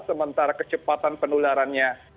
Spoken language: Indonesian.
sementara kecepatan penularannya